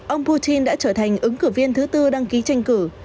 ông putin đã trở thành ứng cử viên thứ tư đăng ký tranh cử